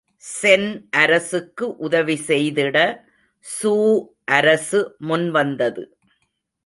சென் அரசுக்கு உதவி செய்திட சூ அரசு முன்வந்தது.